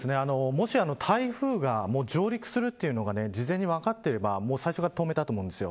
もし台風が上陸するというのが事前に分かっていれば最初から止めたと思うんです。